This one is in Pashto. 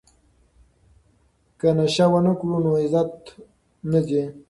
که نشه ونه کړو نو عزت نه ځي.